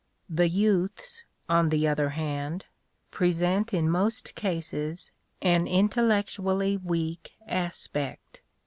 The youths, on the other hand, present in most cases an intellectually weak aspect.